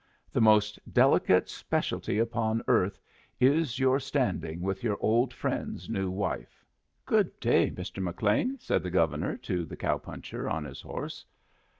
The most delicate specialty upon earth is your standing with your old friend's new wife. "Good day, Mr. McLean," said the Governor to the cow puncher on his horse.